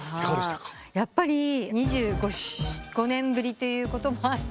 やっぱり２５年ぶりということもあって。